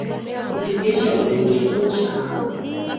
Tulikesha usiku kucha